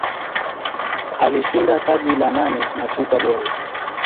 Alishinda taji la nane la SuperBowl